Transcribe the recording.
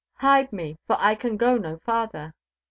]. Hide me, for I can go no farther."